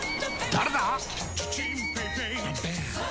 誰だ！